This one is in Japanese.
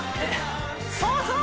そうそう！